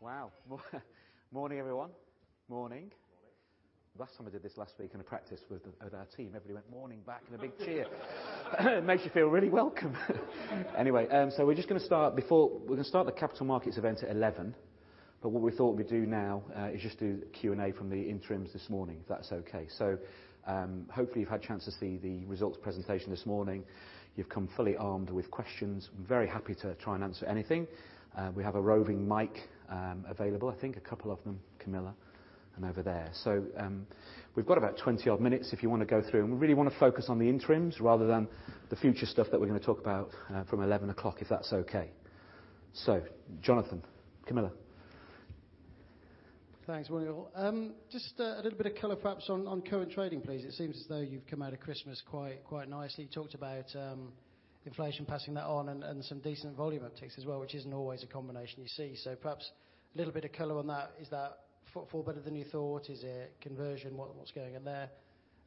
We doing okay? Wow. Morning, everyone. Morning. Morning. Last time I did this last week in a practice with our team, everybody went, "Morning," back with a big cheer. Makes you feel really welcome. Anyway, we're just gonna start the capital markets event at 11, but what we thought we'd do now is just do the Q&A from the interims this morning, if that's okay. Hopefully you've had a chance to see the results presentation this morning. You've come fully armed with questions. I'm very happy to try and answer anything. We have a roving mic available, I think a couple of them, Camilla, and over there. We've got about 20-odd minutes if you wanna go through, and we really wanna focus on the interims rather than the future stuff that we're gonna talk about from 11 o'clock, if that's okay. Jonathan, Camilla. Thanks, morning all. Just a little bit of color perhaps on current trading, please. It seems as though you've come out of Christmas quite nicely. You talked about inflation, passing that on and some decent volume upticks as well, which isn't always a combination you see. Perhaps a little bit of color on that. Is that footfall better than you thought? Is it conversion? What's going on there?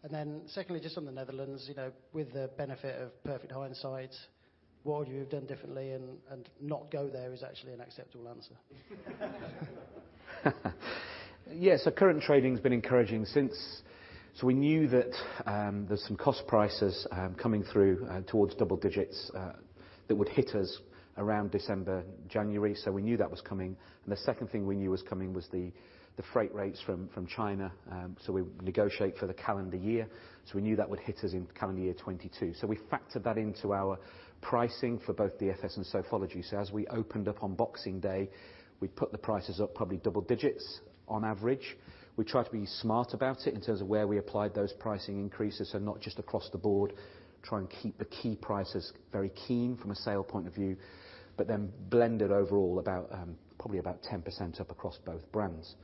Then secondly, just on the Netherlands, you know, with the benefit of perfect hindsight, what would you have done differently? Not go there is actually an acceptable answer. Yeah, current trading's been encouraging since. We knew that there's some cost prices coming through towards double digits that would hit us around December, January, so we knew that was coming. The second thing we knew was coming was the freight rates from China. We negotiate for the calendar year, so we knew that would hit us in calendar year 2022. We factored that into our pricing for both DFS and Sofology. As we opened up on Boxing Day, we put the prices up probably double digits on average. We tried to be smart about it in terms of where we applied those pricing increases so not just across the board, try and keep the key prices very keen from a sale point of view. Blended overall about, probably about 10% up across both brands.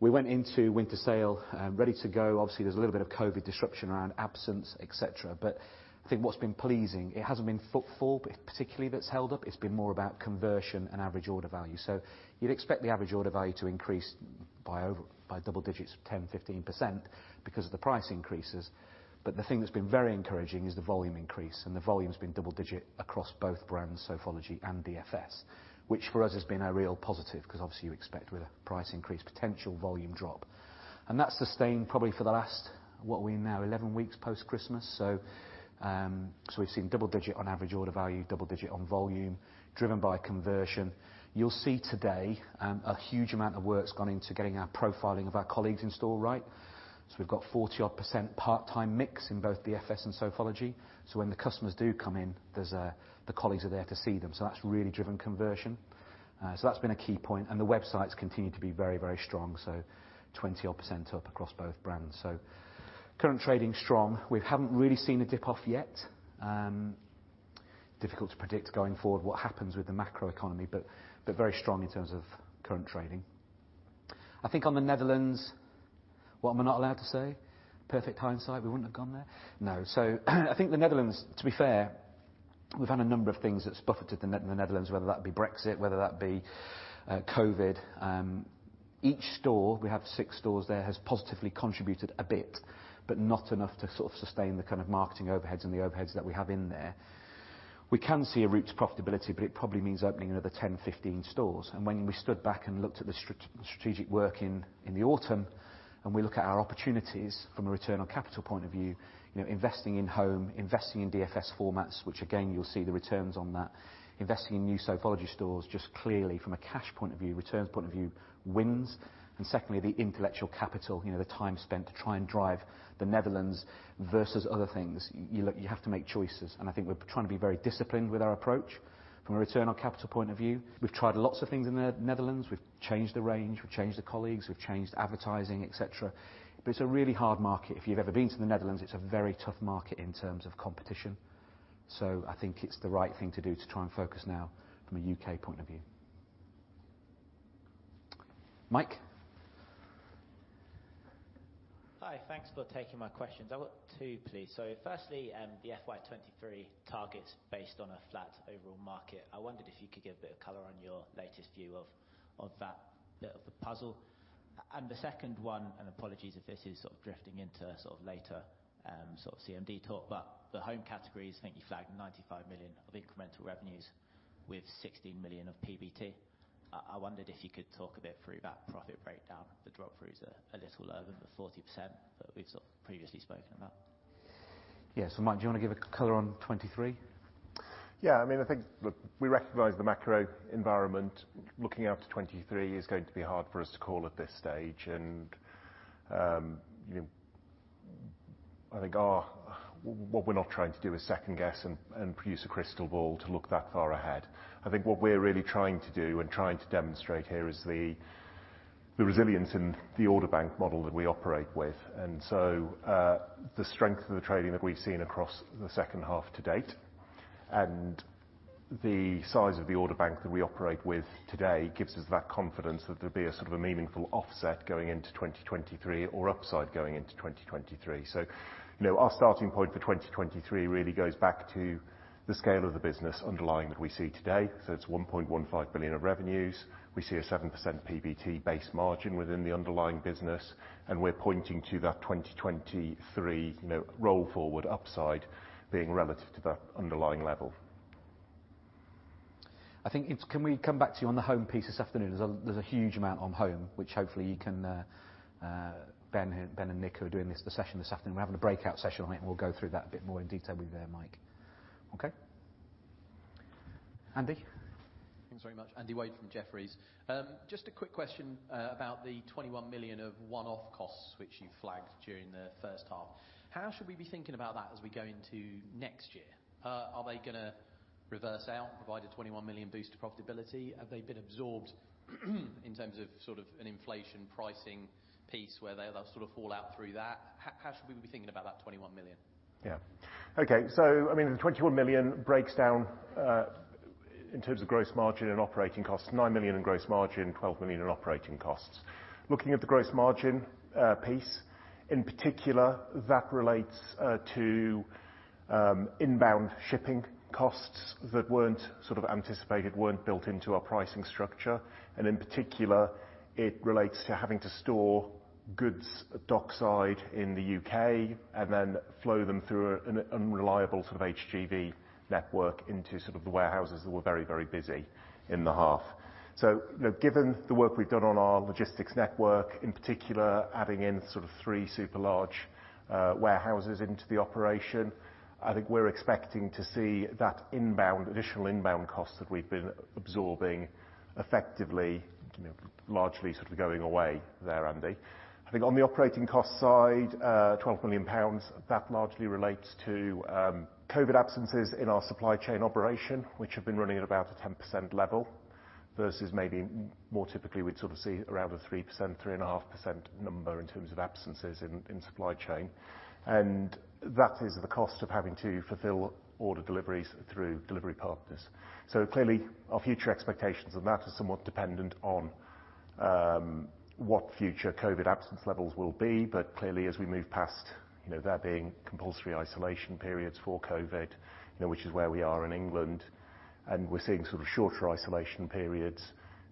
We went into winter sale, ready to go. Obviously, there's a little bit of COVID disruption around absence, et cetera, but I think what's been pleasing, it hasn't been footfall particularly that's held up. It's been more about conversion and average order value. You'd expect the average order value to increase by double digits, 10%, 15% because of the price increases. The thing that's been very encouraging is the volume increase, and the volume's been double digit across both brands, Sofology and DFS, which for us has been a real positive, 'cause obviously you expect with a price increase, potential volume drop. That's sustained probably for the last, what are we now? 11 weeks post-Christmas. We've seen double-digit on average order value, double-digit on volume driven by conversion. You'll see today a huge amount of work's gone into getting our profiling of our colleagues in store right. We've got 40-odd% part-time mix in both DFS and Sofology. When the customers do come in, the colleagues are there to see them. That's really driven conversion. That's been a key point. The websites continue to be very, very strong, 20-odd% up across both brands. Current trading's strong. We haven't really seen a dip-off yet. Difficult to predict going forward what happens with the macro economy, but very strong in terms of current trading. I think on the Netherlands, what am I not allowed to say? Perfect hindsight, we wouldn't have gone there? No. I think the Netherlands, to be fair, we've had a number of things that's buffeted the Netherlands, whether that be Brexit, whether that be COVID. Each store, we have six stores there, has positively contributed a bit, but not enough to sort of sustain the kind of marketing overheads and the overheads that we have in there. We can see a route to profitability, but it probably means opening another 10 stores-15 stores. When we stood back and looked at the strategic work in the autumn, and we look at our opportunities from a return on capital point of view, you know, investing in home, investing in DFS formats, which again, you'll see the returns on that. Investing in new Sofology stores just clearly from a cash point of view, returns point of view, wins. Secondly, the intellectual capital, you know, the time spent to try and drive the Netherlands versus other things. You look, you have to make choices, and I think we're trying to be very disciplined with our approach from a return on capital point of view. We've tried lots of things in the Netherlands. We've changed the range, we've changed the colleagues, we've changed advertising, et cetera. It's a really hard market. If you've ever been to the Netherlands, it's a very tough market in terms of competition. I think it's the right thing to do to try and focus now from a U.K. point of view. Mike? Hi. Thanks for taking my questions. I've got two, please. Firstly, the FY 2023 targets based on a flat overall market. I wondered if you could give a bit of color on your latest view of that bit of the puzzle. The second one, and apologies if this is sort of drifting into sort of later, sort of CMD talk, but the home categories, I think you flagged 95 million of incremental revenues with 16 million of PBT. I wondered if you could talk a bit through that profit breakdown. The drop throughs are a little lower than the 40% that we've sort of previously spoken about. Yeah. Mike, do you wanna give a color on 2023? Yeah. I mean, I think, look, we recognize the macro environment. Looking out to 2023 is going to be hard for us to call at this stage. You know, I think what we're not trying to do is second-guess and produce a crystal ball to look that far ahead. I think what we're really trying to do and trying to demonstrate here is the resilience in the order bank model that we operate with. The strength of the trading that we've seen across the H2 to date and the size of the order bank that we operate with today gives us that confidence that there'll be a sort of a meaningful offset going into 2023 or upside going into 2023. You know, our starting point for 2023 really goes back to the scale of the business underlying that we see today. It's 1.15 billion of revenues. We see a 7% PBT base margin within the underlying business, and we're pointing to that 2023, you know, roll forward upside being relative to that underlying level. I think, can we come back to you on the home piece this afternoon? There's a huge amount on home, which hopefully you can. Ben and Nick are doing this session this afternoon. We're having a breakout session on it, and we'll go through that a bit more in detail with Mike. Okay? Andy? Thanks very much. Andrew Wade from Jefferies. Just a quick question about the 21 million of one-off costs which you flagged during the H1. How should we be thinking about that as we go into next year? Are they gonna reverse out, provide a 21 million boost to profitability? Have they been absorbed, in terms of, sort of an inflation pricing piece where they'll, sort of fall out through that? How should we be thinking about that 21 million? Yeah. Okay, I mean, the 21 million breaks down in terms of gross margin and operating costs, 9 million in gross margin, 12 million in operating costs. Looking at the gross margin piece in particular that relates to inbound shipping costs that weren't sort of anticipated, weren't built into our pricing structure. In particular, it relates to having to store goods dockside in the U.K. and then flow them through an unreliable sort of HGV network into sort of the warehouses that were very, very busy in the half. You know, given the work we've done on our logistics network, in particular, adding in sort of 3 super large warehouses into the operation, I think we're expecting to see that inbound, additional inbound costs that we've been absorbing effectively, you know, largely sort of going away there, Andy. I think on the operating cost side, 12 million pounds, that largely relates to COVID absences in our supply chain operation, which have been running at about a 10% level versus maybe more typically we'd sort of see around a 3%, 3.5% number in terms of absences in supply chain. That is the cost of having to fulfill order deliveries through delivery partners. Clearly, our future expectations on that are somewhat dependent on what future COVID absence levels will be. Clearly, as we move past you know there being compulsory isolation periods for COVID you know which is where we are in England, and we're seeing sort of shorter isolation periods,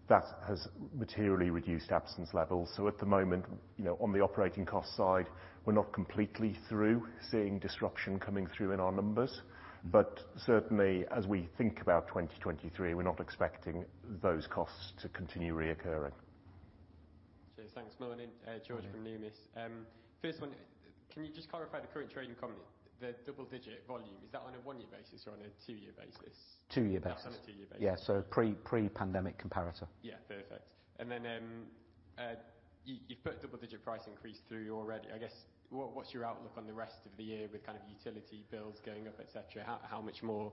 that has materially reduced absence levels. At the moment, you know, on the operating cost side, we're not completely through seeing disruption coming through in our numbers. Certainly, as we think about 2023, we're not expecting those costs to continue recurring. [Jeez], thanks. Morning, Morning George from Numis. First one, can you just clarify the current trading comment, the double-digit volume, is that on a one-year basis or on a two-year basis? 2-year basis. That's on a 2-year basis. Yeah. Pre-pandemic comparator. Yeah. Perfect. You've put double-digit price increase through already. I guess, what's your outlook on the rest of the year with kind of utility bills going up, et cetera, how much more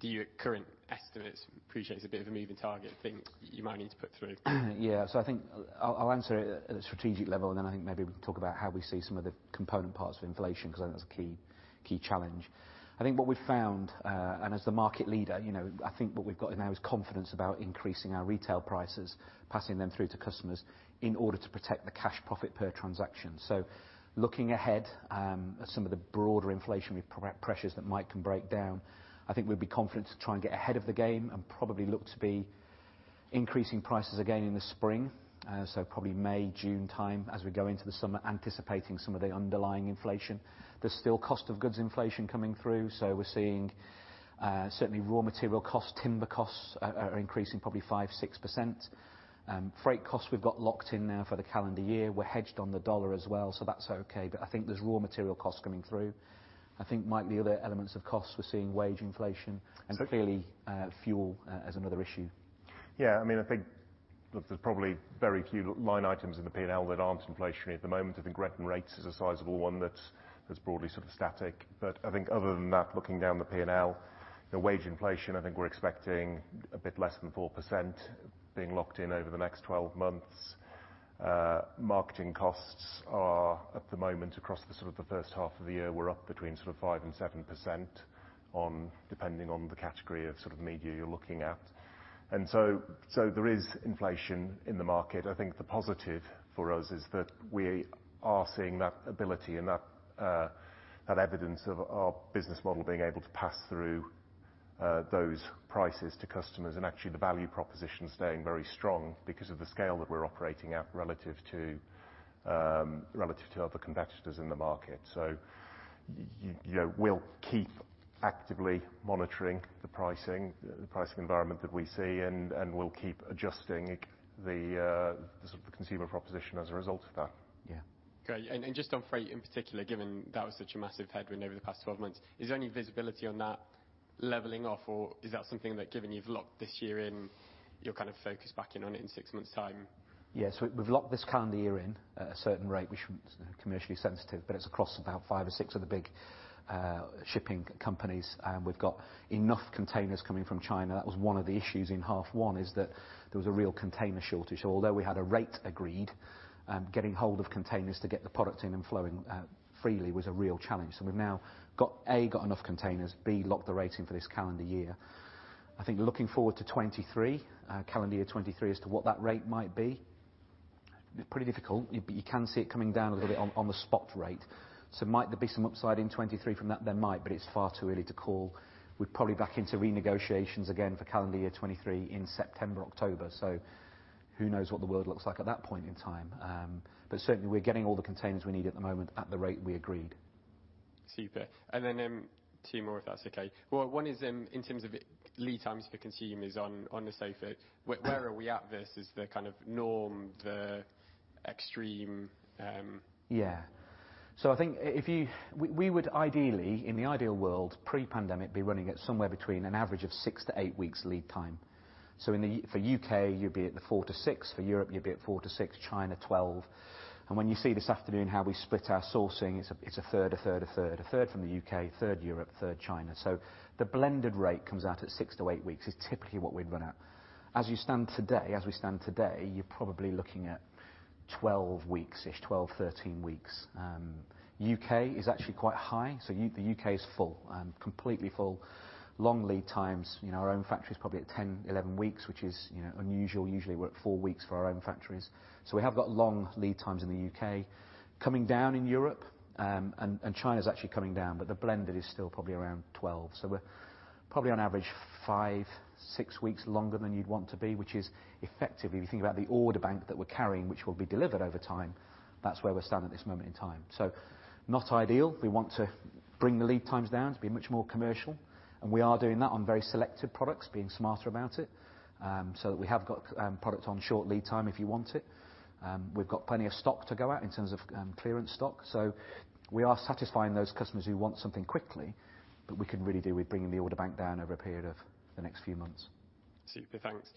do your current estimates, I appreciate it's a bit of a moving target, think you might need to put through? Yeah. I think I'll answer it at a strategic level, and then I think maybe we can talk about how we see some of the component parts of inflation because I think that's a key challenge. I think what we've found, and as the market leader, you know, I think what we've got now is confidence about increasing our retail prices, passing them through to customers in order to protect the cash profit per transaction. Looking ahead, at some of the broader inflation with price pressures that Mike can break down, I think we'd be confident to try and get ahead of the game and probably look to be increasing prices again in the spring, so probably May, June time as we go into the summer, anticipating some of the underlying inflation. There's still cost of goods inflation coming through, so we're seeing certainly raw material costs, timber costs are increasing probably 5%-6%. Freight costs we've got locked in now for the calendar year. We're hedged on the dollar as well, so that's okay. I think there's raw material costs coming through. I think, Mike, the other elements of costs, we're seeing wage inflation. Sure... clearly, fuel, as another issue. Yeah. I mean, I think there's probably very few line items in the P&L that aren't inflationary at the moment. I think rent and rates is a sizable one that's broadly sort of static. I think other than that, looking down the P&L, the wage inflation, I think we're expecting a bit less than 4% being locked in over the next 12 months. Marketing costs are, at the moment, across the sort of the H1 of the year, we're up between sort of 5%-7% on, depending on the category of sort of media you're looking at. There is inflation in the market. I think the positive for us is that we are seeing that ability and that evidence of our business model being able to pass through those prices to customers and actually the value proposition staying very strong because of the scale that we're operating at relative to other competitors in the market. You know, we'll keep actively monitoring the pricing environment that we see, and we'll keep adjusting the sort of consumer proposition as a result of that. Yeah. Great. Just on freight in particular, given that was such a massive headwind over the past 12 months, is there any visibility on that leveling off? Or is that something that, given you've locked this year in, you're kind of focused back in on it in 6 months time? Yeah. We've locked this calendar year in at a certain rate, which is commercially sensitive, but it's across about 5 or 6 of the big shipping companies. We've got enough containers coming from China. That was one of the issues in H1 is that there was a real container shortage. Although we had a rate agreed, getting hold of containers to get the product in and flowing freely was a real challenge. We've now got A, enough containers, B, locked the rate in for this calendar year. I think looking forward to 2023, calendar year 2023, as to what that rate might be, pretty difficult. You can see it coming down a little bit on the spot rate. Might there be some upside in 2023 from that? There might, but it's far too early to call. We're probably back into renegotiations again for calendar year 2023 in September, October. Who knows what the world looks like at that point in time? Certainly we're getting all the containers we need at the moment at the rate we agreed. Super. Two more, if that's okay. Well, one is in terms of lead times for consumers on the sofa. Where are we at versus the kind of norm, the extreme. Yeah. I think we would ideally, in the ideal world, pre-pandemic, be running at somewhere between an average of 6 weeks-8 weeks lead time. For U.K., you'd be at the 4 weeks-6 weeks. For Europe, you'd be at 4 weeks-6 weeks. China, 12 weeks. When you see this afternoon how we split our sourcing, it's a 1/3, a 1/3, a 1/3. A 1/3 from the U.K., 1/3 Europe, 1/3 China. The blended rate comes out at 6 weeks-8 weeks, is typically what we'd run at. As we stand today, you're probably looking at 12 weeks-ish. 12 weeks, 13 weeks. U.K. is actually quite high, so the U.K. is full, completely full. Long lead times. You know, our own factory is probably at 10, 11 weeks, which is, you know, unusual. Usually, we're at 4 weeks for our own factories. We have got long lead times in the U.K., coming down in Europe, and China's actually coming down, but the blended is still probably around 12 weeks. We're probably on average 5 weeks-6 weeks longer than you'd want to be, which is effectively, if you think about the order bank that we're carrying, which will be delivered over time, that's where we stand at this moment in time. Not ideal. We want to bring the lead times down to be much more commercial, and we are doing that on very selected products, being smarter about it. That we have got product on short lead time if you want it. We've got plenty of stock to go out in terms of clearance stock. We are satisfying those customers who want something quickly, but we can really do with bringing the order bank down over a period of the next few months. Super. Thanks.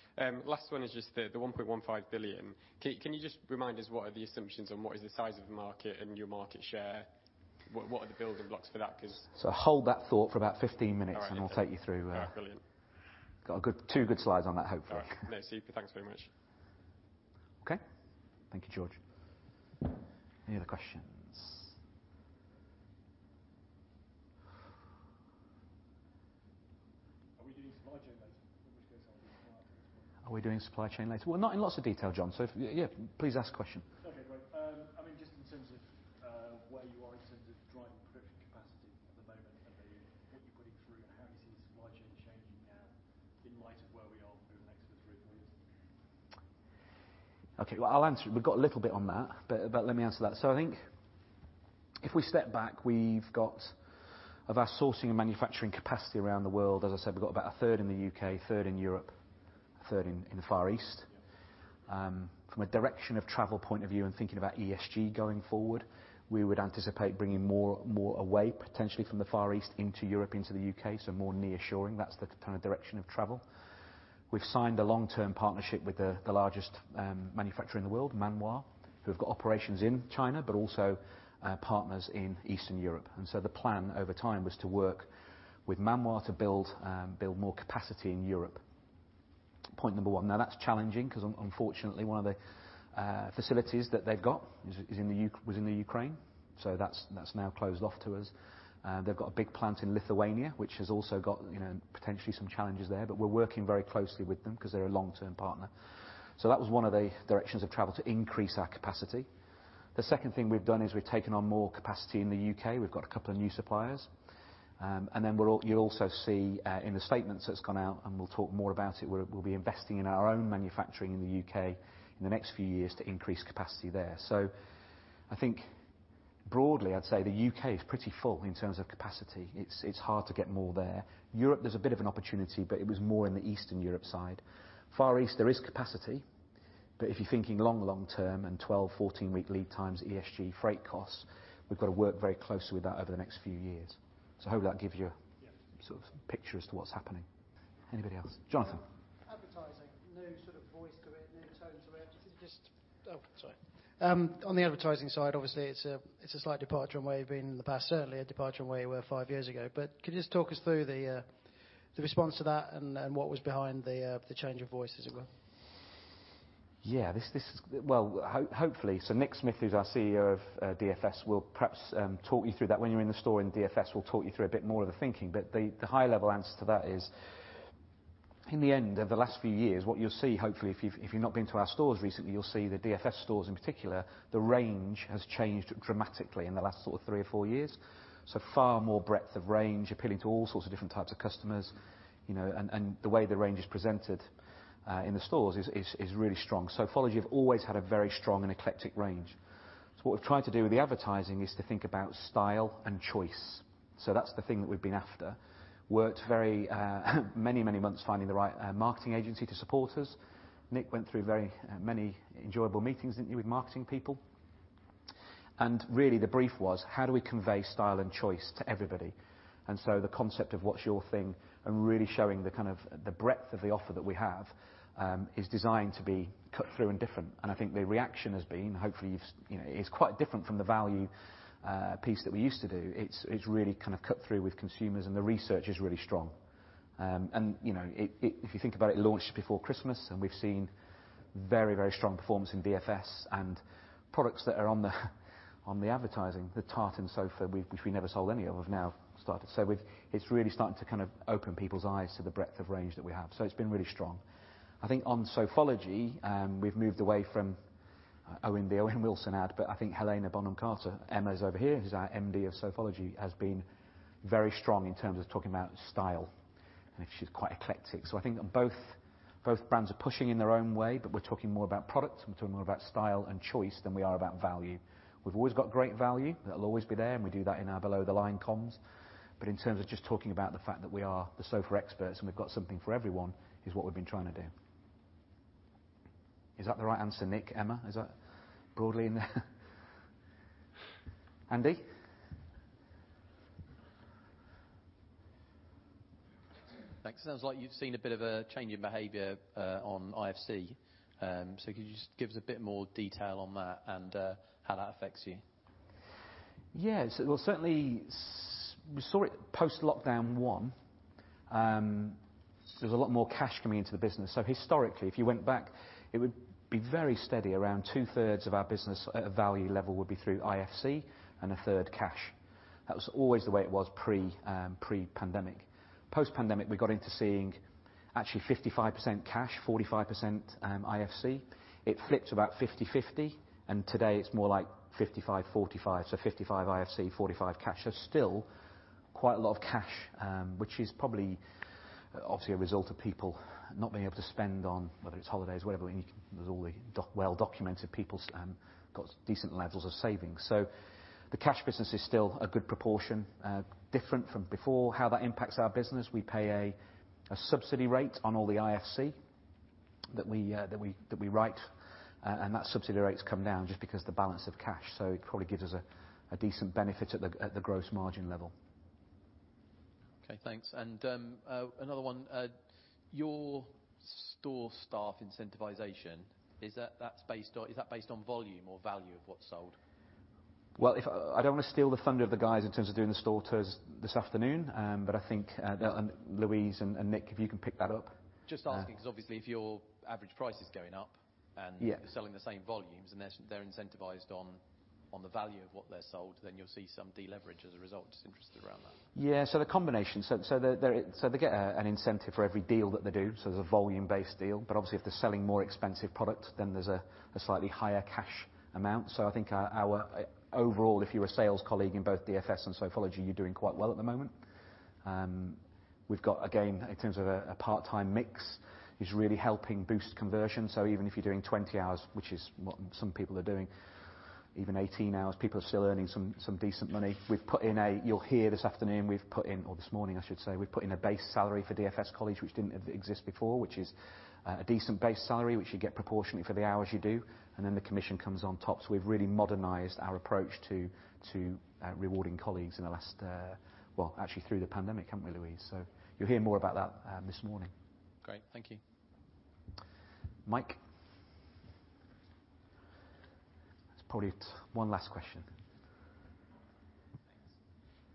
Last one is just the 1.15 billion. Can you just remind us what are the assumptions and what is the size of the market and your market share? What are the building blocks for that? Hold that thought for about 15 minutes. All right. We'll take you through. All right, brilliant. Got two good slides on that, hopefully. All right. No, super. Thanks very much. Okay. Thank you, George. Any other questions? Are we doing supply chain later? Are we doing supply chain later? Well, not in lots of detail, John. Yeah, please ask the question. Okay, great. I mean, just in terms of where you are in terms of driving profit capacity at the moment and what you're going through and how you see the supply chain changing now in light of where we are over the next sort of three years? Well, I'll answer. We've got a little bit on that, but let me answer that. I think if we step back, as I said, we've got about a 1/3 in the U.K., a 1/3 in Europe, a 1/3 in the Far East. From a direction of travel point of view and thinking about ESG going forward, we would anticipate bringing more away, potentially from the Far East into Europe, into the U.K., so more nearshoring. That's the kind of direction of travel. We've signed a long-term partnership with the largest manufacturer in the world, Man Wah, who have got operations in China, but also partners in Eastern Europe. The plan over time was to work with Man Wah to build more capacity in Europe. Point number one. Now, that's challenging 'cause unfortunately, one of the facilities that they've got was in the Ukraine, so that's now closed off to us. They've got a big plant in Lithuania, which has also got, you know, potentially some challenges there. But we're working very closely with them 'cause they're a long-term partner. That was one of the directions of travel to increase our capacity. The second thing we've done is we've taken on more capacity in the U.K. We've got a couple of new suppliers. Then you'll also see in the statements that's gone out, and we'll talk more about it, we'll be investing in our own manufacturing in the U.K. in the next few years to increase capacity there. I think broadly, I'd say the U.K. is pretty full in terms of capacity. It's hard to get more there. Europe, there's a bit of an opportunity, but it was more in the Eastern Europe side. Far East there is capacity, but if you're thinking long term and 12 weeks-14-week lead times, ESG, freight costs, we've got to work very closely with that over the next few years. Hope that gives you- Yeah. sort of picture as to what's happening. Anybody else? Jonathan. Advertising. New sort of voice to it, new tone to it. On the advertising side, obviously it's a slight departure from where you've been in the past, certainly a departure from where you were five years ago. Could you just talk us through the response to that and what was behind the change of voice, as it were? Yeah. This. Well, hopefully. Nick Smith, who's our CEO of DFS, will perhaps talk you through that when you're in the store, and DFS will talk you through a bit more of the thinking. The high level answer to that is, in the end, over the last few years, what you'll see, hopefully, if you've not been to our stores recently, you'll see the DFS stores in particular, the range has changed dramatically in the last sort of three years or four years. Far more breadth of range, appealing to all sorts of different types of customers, you know. The way the range is presented in the stores is really strong. Sofology have always had a very strong and eclectic range. What we've tried to do with the advertising is to think about style and choice. That's the thing that we've been after. We worked very many months finding the right marketing agency to support us. Nick went through very many enjoyable meetings, didn't you, with marketing people? Really the brief was how do we convey style and choice to everybody? The concept of what's your thing and really showing the kind of breadth of the offer that we have is designed to be cut through and different. I think the reaction has been, hopefully you've seen, you know, it's quite different from the value piece that we used to do. It's really kinda cut through with consumers, and the research is really strong. You know, if you think about it launched before Christmas, and we've seen very, very strong performance in DFS and products that are on the advertising. The tartan sofa, which we never sold any of, we've now started. It's really starting to kind of open people's eyes to the breadth of range that we have. It's been really strong. I think on Sofology, we've moved away from Owen, the Owen Wilson ad, but I think Helena Bonham Carter, Emma's over here, who's our MD of Sofology, has been very strong in terms of talking about style, and she's quite eclectic. I think both brands are pushing in their own way, but we're talking more about product, we're talking more about style and choice than we are about value. We've always got great value. That'll always be there, and we do that in our below the line comms. In terms of just talking about the fact that we are the sofa experts and we've got something for everyone is what we've been trying to do. Is that the right answer, Nick, Emma? Is that broadly in there? Andy? Thanks. Sounds like you've seen a bit of a change in behavior on IFC. Could you just give us a bit more detail on that and how that affects you? Yes. Well, certainly we saw it post-lockdown 1. There was a lot more cash coming into the business. Historically, if you went back, it would be very steady. Around 2/3 of our business at a value level would be through IFC and 1/3 cash. That was always the way it was pre-pandemic. Post-pandemic, we got into seeing actually 55% cash, 45% IFC. It flipped about 50/50, and today it's more like 55/45, so 55% IFC, 45% cash. Still quite a lot of cash, which is probably obviously a result of people not being able to spend on whether it's holidays, whatever we need. There's all the well-documented people have got decent levels of savings. The cash business is still a good proportion, different from before. How that impacts our business, we pay a subsidy rate on all the IFC that we write, and that subsidy rate's come down just because the balance of cash. It probably gives us a decent benefit at the gross margin level. Okay. Thanks. Another one. Your store staff incentivization, is that based on volume or value of what's sold? Well, if I don't wanna steal the thunder of the guys in terms of doing the store tours this afternoon, but I think, Louise and Nick, if you can pick that up. Just asking, 'cause obviously if your average price is going up and Yeah... you're selling the same volumes and they're incentivized on the value of what they sold, then you'll see some deleverage as a result. Just interested around that. The combination. They get an incentive for every deal that they do, so it's a volume-based deal. Obviously if they're selling more expensive product, then there's a slightly higher cash amount. I think overall, if you're a sales colleague in both DFS and Sofology, you're doing quite well at the moment. We've got, again, in terms of a part-time mix, is really helping boost conversion. Even if you're doing 20 hours, which is what some people are doing, even 18 hours, people are still earning some decent money. We've put in a You'll hear this afternoon, or this morning, I should say, we've put in a base salary for DFS colleagues, which didn't exist before, which is a decent base salary, which you get proportionately for the hours you do, and then the commission comes on top. We've really modernized our approach to rewarding colleagues in the last. Well, actually through the pandemic, haven't we, Louise? You'll hear more about that this morning. Great. Thank you. Mike? It's probably one last question. Thanks.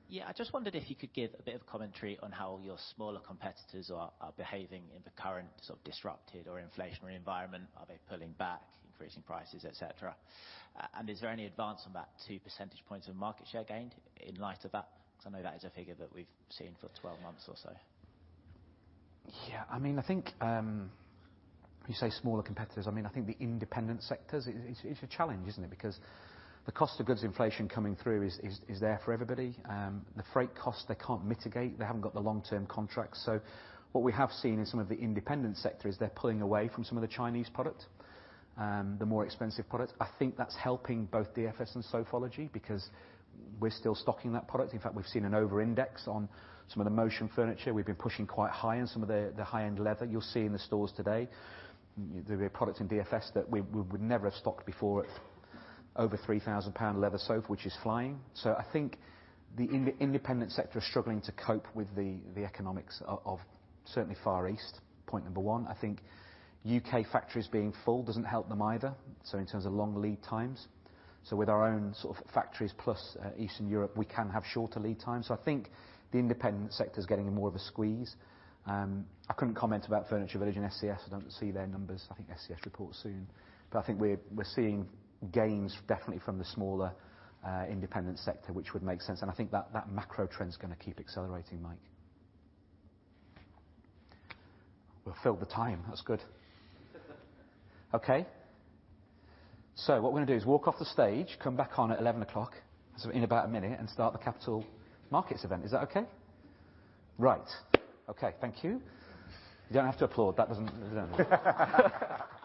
Yeah. I just wondered if you could give a bit of commentary on how your smaller competitors are behaving in the current sort of disrupted or inflationary environment. Are they pulling back, increasing prices, et cetera? And is there any advance on that 2 percentage points of market share gained in light of that? Because I know that is a figure that we've seen for 12 months or so. Yeah. I mean, I think you say smaller competitors. I mean, I think the independent sectors, it's a challenge, isn't it? Because the cost of goods inflation coming through is there for everybody. The freight costs, they can't mitigate. They haven't got the long-term contracts. So what we have seen in some of the independent sector is they're pulling away from some of the Chinese product, the more expensive product. I think that's helping both DFS and Sofology because we're still stocking that product. In fact, we've seen an over-index on some of the motion furniture. We've been pushing quite high-end, some of the high-end leather you'll see in the stores today. The products in DFS that we would never have stocked before, over 3,000 pound leather sofa, which is flying. I think the independent sector is struggling to cope with the economics of certainly Far East, point number one. I think UK factories being full doesn't help them either, so in terms of long lead times. With our own sort of factories plus Eastern Europe, we can have shorter lead times. I think the independent sector is getting in more of a squeeze. I couldn't comment about Furniture Village and ScS. I don't see their numbers. I think ScS reports soon. I think we're seeing gains definitely from the smaller independent sector, which would make sense. I think that macro trend's gonna keep accelerating, Mike. We've filled the time. That's good. Okay. What we're gonna do is walk off the stage, come back on at 11 o'clock, so in about a minute, and start the capital markets event. Is that okay? Right. Okay. Thank you. You don't have to applaud. That doesn't. You know.